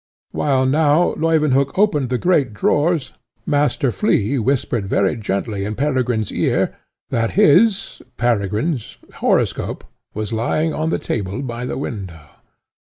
While now Leuwenhock opened the great drawers, Master Flea whispered very gently in Peregine's ear, that his (Peregrine's) horoscope was lying on the table by the window.